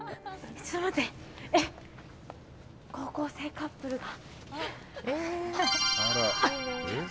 高校生カップルが。